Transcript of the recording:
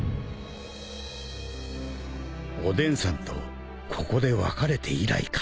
おでんさんとここで別れて以来か。